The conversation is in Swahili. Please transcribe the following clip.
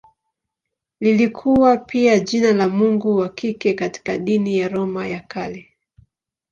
Lilikuwa pia jina la mungu wa kike katika dini ya Roma ya Kale.